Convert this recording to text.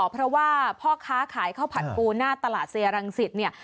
เพราะว่าพ่อค้าขายข้าวผัดปูหน้าตลาดเซียรังสิตเนี่ย